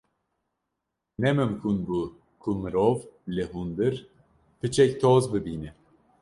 ’’Ne mimkun bû ku mirov li hundir piçek toz bibîne.